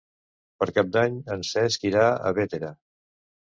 Per Cap d'Any en Cesc irà a Bétera.